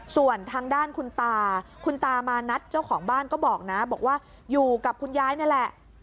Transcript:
ส่วนทางด้านคุณตาคุณตามานัทเจ้าของบ้านก็บอกนะบอกว่าอยู่กับคุณยายนี่แหละ